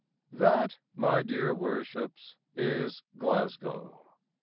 That, my dear Worships, Is Glasgow!